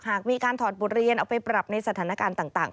หากมีการถอดบทเรียนเอาไปปรับในสถานการณ์ต่าง